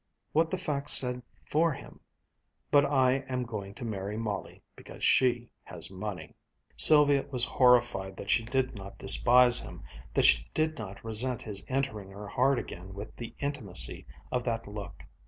What the facts said for him was, "But I am going to marry Molly because she has money." Sylvia was horrified that she did not despise him, that she did not resent his entering her heart again with the intimacy of that look.